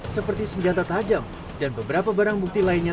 seperti senjata tajam dan beberapa barang bukti lainnya